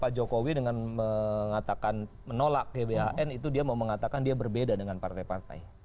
pak jokowi dengan mengatakan menolak gbhn itu dia mau mengatakan dia berbeda dengan partai partai